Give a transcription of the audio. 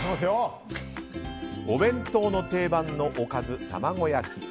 お弁当の定番のおかず、卵焼き。